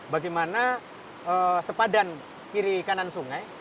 bagaimana sepadan kiri kanan sungai